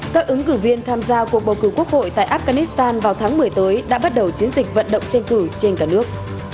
các ứng cử viên tham gia cuộc bầu cử quốc hội tại afghanistan vào tháng một mươi tới đã bắt đầu chiến dịch vận động tranh cử trên cả nước